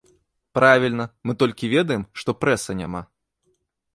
Правільна, мы толькі ведаем, што прэса няма.